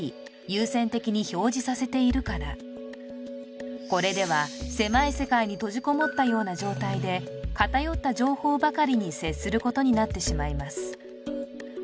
優先的に表示させているからこれでは狭い世界に閉じこもったような状態で偏った情報ばかりに接することになってしまいます